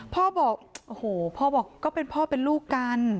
พ่อบอกเขาเป็นพ่อหรอก